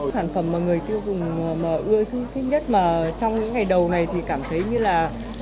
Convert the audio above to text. sản phẩm mà người tiêu cùng ưa thích nhất mà trong ngày đầu này thì cảm thấy như là